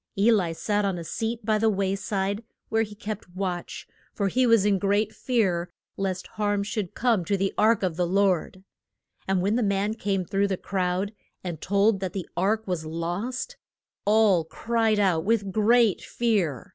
E li sat on a seat by the way side, where he kept watch, for he was in great fear lest harm should come to the ark of God. And when the man came through the crowd and told that the ark was lost, all cried out with great fear.